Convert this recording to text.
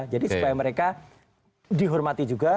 jadi supaya mereka dihormati juga